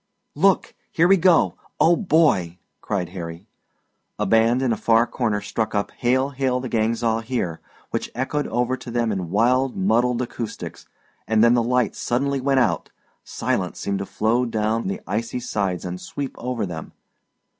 "Look! Here we go oh, boy!" cried Harry. A band in a far corner struck up "Hail, Hail, the Gang's All Here!" which echoed over to them in wild muddled acoustics, and then the lights suddenly went out; silence seemed to flow down the icy sides and sweep over them.